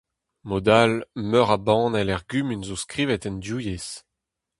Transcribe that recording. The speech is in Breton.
Mod-all, meur a banell er gumun zo skrivet en div yezh.